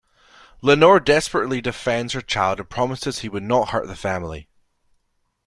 Lenore desperately defends her child and promises he would not hurt the family.